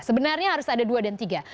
sebenarnya harus ada dua dan tiga